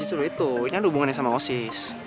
ya justru itu ini ada hubungannya sama osis